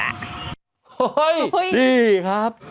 เฮ้ยนี่ครับ